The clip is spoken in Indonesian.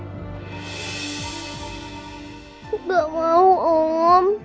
aku gak mau om